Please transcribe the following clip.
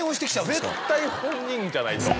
絶対本人じゃないと。